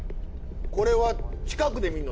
これは近くで見るの？